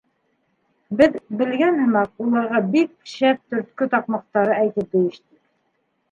Беҙ, белгән һымаҡ, уларға бик шәп төрткө таҡмаҡтары әйтеп бейештек.